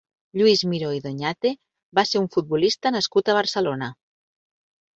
Lluís Miró i Doñate va ser un futbolista nascut a Barcelona.